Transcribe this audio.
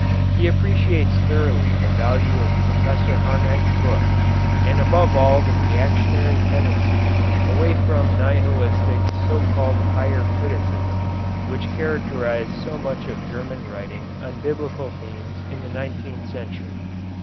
He appreciates thoroughly the value of Professor Harnack's book, and above all the reactionary tendency away from nihilistic so called higher criticism which characterized so much of German writing on biblical themes in the nineteenth century.